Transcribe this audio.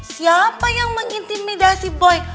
siapa yang mengintimidasi boy